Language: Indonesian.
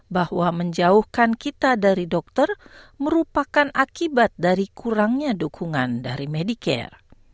bahwa menjauhkan kita dari dokter merupakan akibat dari kurangnya dukungan dari medicare